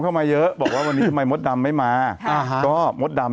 อ้าวปุ่มตา